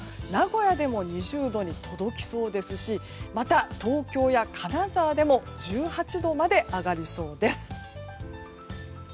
名古屋でも２０度に届きそうですしまた東京や金沢でも１８度まで上がりそうです。